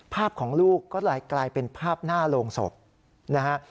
ภาพของลูกก็เลยกลายเป็นภาพหน้าโรงศพนะฮะ